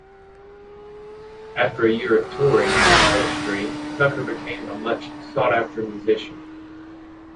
After a year of touring with Ministry, Tucker became a much sought-after musician.